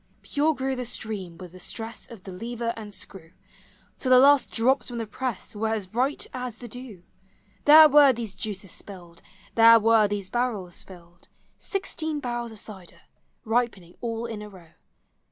Pure grew the stream with the stress Of the lever and screw. Till the last drops from the press Digitized by OooqIc 318 POEMS OF HOME Were as bright as the dew. There were these juices spilled; There were these barrels tilled; Sixteen barrels of cider Ripening all in a row